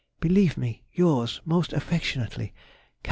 Believe me yours most affectionately, CAR.